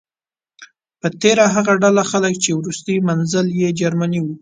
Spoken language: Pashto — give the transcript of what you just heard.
په تیره هغه ډله خلک چې وروستی منزل یې جرمني و.